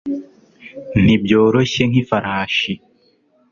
Ntibyoroshye nkifarashi